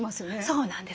そうなんです。